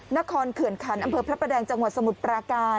นครเขื่อนขันอำเภอพระประแดงจังหวัดสมุทรปราการ